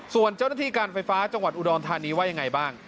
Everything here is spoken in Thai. ส่วนเจ้าหน้าที่การไฟฟ้าจังหวัดอุดรธานีว่ายังไงบ้าง